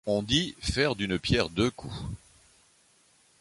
on dit faire d'une pierre deux coups.